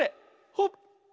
ほっ！